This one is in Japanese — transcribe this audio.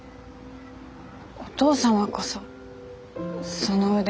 お父様こそその腕。